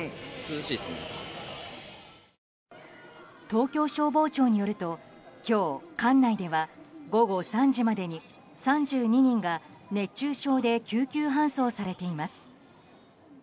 東京消防庁によると今日、管内では午後３時までに３２人が熱中症で救急搬送されています。